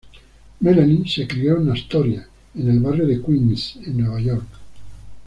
Melanie se crió en Astoria, en el barrio de Queens en Nueva York.